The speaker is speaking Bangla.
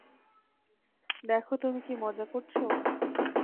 দেখো, তুমি কি মজা করছো?